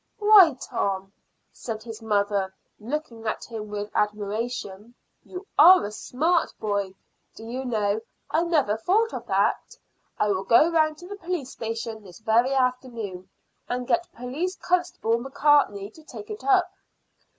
"Why, Tom," said his mother, looking at him with admiration, "you are a smart boy. Do you know, I never thought of that. I will go round to the police station this very afternoon and get Police Constable Macartney to take it up."